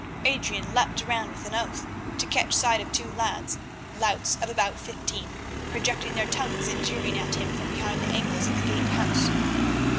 Adrian leaped round with an oath, to catch sight of two lads, louts of about fifteen, projecting their tongues and jeering at him from behind the angles of the gate house.